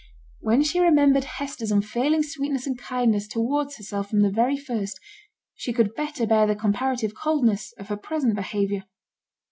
When she remembered Hester's unfailing sweetness and kindness towards herself from the very first, she could better bear the comparative coldness of her present behaviour.